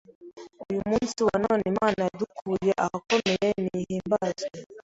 uyu munsi wa none Imana yadukuye ahakomeye nihimbazwe